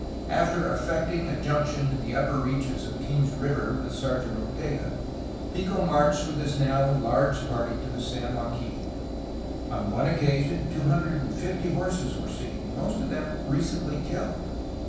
After effecting a junc tion in the upper reaches of Kings River with Sergeant Ortega, Pico marched with his now enlarged party to the San Joaquin. On one occasion two hundred and fifty horses were seen, most of them recently killed.